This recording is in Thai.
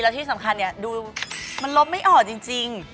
ที่สำคัญเนี่ยดูมันลบไม่ออกจริง